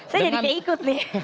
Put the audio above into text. saya jadi kayak ikut nih